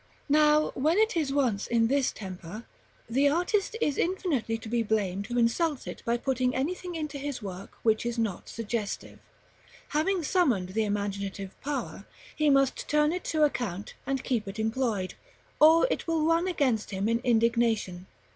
Now, when it is once in this temper, the artist is infinitely to be blamed who insults it by putting anything into his work which is not suggestive: having summoned the imaginative power, he must turn it to account and keep it employed, or it will run against him in indignation.